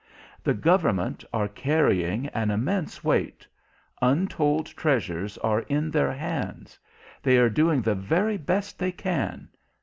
The Government are carrying an immense weight. Untold treasures are in their hands. They are doing the very best they can.